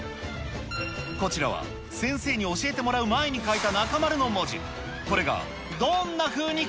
こちらは先生に教えてもらう前に書いた中丸の文字。